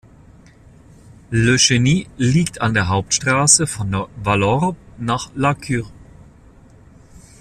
Le Chenit liegt an der Hauptstrasse von Vallorbe nach La Cure.